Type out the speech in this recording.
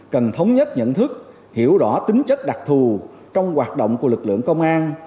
cần thống nhất nhận thức hiểu rõ tính chất đặc thù trong hoạt động của lực lượng công an